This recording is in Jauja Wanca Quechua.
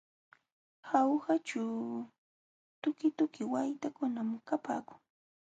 Jaujaćhu tukituki waytakunam kapaakun.